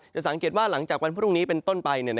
สังเกตว่าหลังจากวันพรุ่งนี้เป็นต้นไป